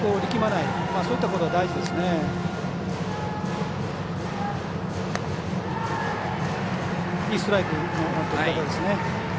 いいストライクのとり方ですね。